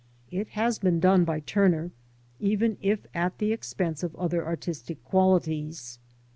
It has been done by Turner, even if at the expense of other artistic qualities.